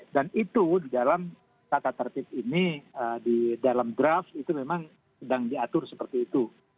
dan itu di dalam kata tertib ini di dalam draft itu memang sedang diatur seperti itu